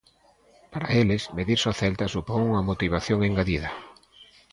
Para eles, medirse ao Celta supón unha motivación engadida.